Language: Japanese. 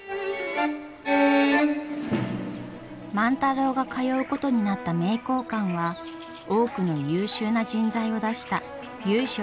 万太郎が通うことになった名教館は多くの優秀な人材を出した由緒ある学問所です。